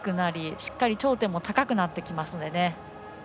しっかり頂点も高くなってきますので。